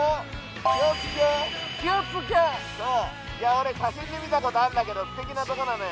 俺見たことあるんだけどすてきなところなのよ。